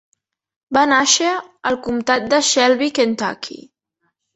Va nàixer al comtat de Shelby, Kentucky.